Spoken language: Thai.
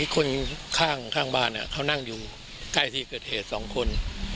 คนข้างบ้านเขานั่งอยู่ใกล้ที่เกิดเหตุ๒คน